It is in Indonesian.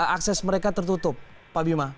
akses mereka tertutup pak bima